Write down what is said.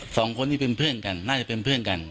สองคนนี้เป็นเพื่อนกันน่าจะเป็นเพื่อนกัน